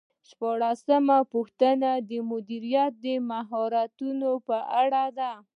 شپاړسمه پوښتنه د مدیریت د مهارتونو په اړه ده.